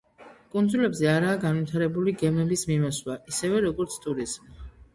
კუნძულებზე არაა განვითარებული გემების მიმოსვლა, ისევე როგორც ტურიზმი.